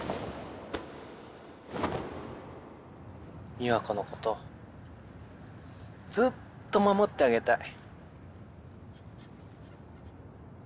美和子のことずっと守ってあげたい。